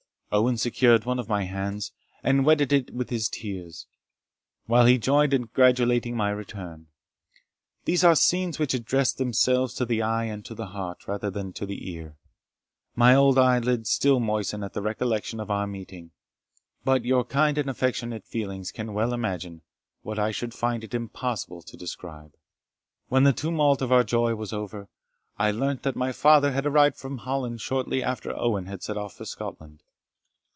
Owen secured one of my hands, and wetted it with his tears, while he joined in gratulating my return. These are scenes which address themselves to the eye and to the heart rather than to the ear My old eye lids still moisten at the recollection of our meeting; but your kind and affectionate feelings can well imagine what I should find it impossible to describe. When the tumult of our joy was over, I learnt that my father had arrived from Holland shortly after Owen had set off for Scotland.